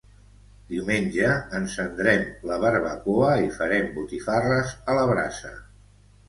Diumenge encendrem la barbacoa i farem botifarres a la brasa